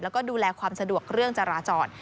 แล้วก็ดูแลความสะดวกเรื่องจราจร